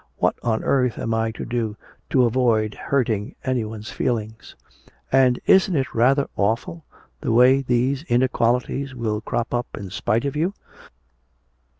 "What on earth am I to do, to avoid hurting anyone's feelings? And isn't it rather awful, the way these inequalities will crop up in spite of you?